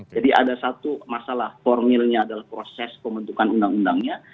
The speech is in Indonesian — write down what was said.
jadi ada satu masalah formilnya adalah proses pembentukan undang undangnya